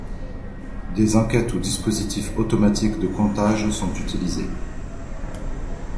Des enquêtes ou dispositifs automatiques de comptages sont utilisés.